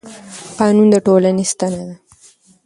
قانون د ټولنې ستنه ده